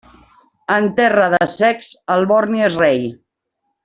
En terra de cecs el borni és rei.